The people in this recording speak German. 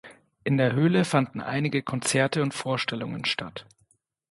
In der Höhle fanden einige Konzerte und Vorstellungen statt.